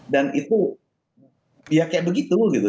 dan itu ya kayak begitu gitu